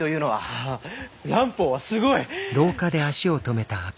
ああ蘭方はすごい！